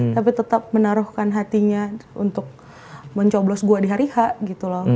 tapi tetap menaruhkan hatinya untuk mencoblos gue di hari h gitu loh